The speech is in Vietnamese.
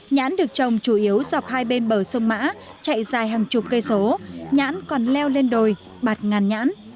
nhãn được trồng chủ yếu dọc hai bên bờ sông mã chạy dài hàng chục cây số nhãn còn leo lên đồi bạt ngàn nhãn